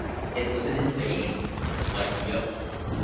It was an invasion, like the other.